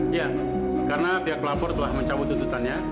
iya karena pihak pelapor telah mencabut tuntutannya